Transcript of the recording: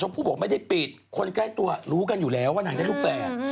ผู้บอกไม่ได้ปิดคนใกล้ตัวรู้กันอยู่แล้วว่านางได้ลูกแฝด